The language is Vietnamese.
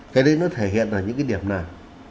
cái đấy nó thể hiện ở những cái điểm này